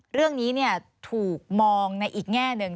เรื่องนี้ถูกมองในอีกแง่หนึ่ง